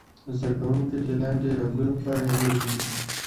زده کوونکي دې د لاندې رنګونو په اړه ولیکي.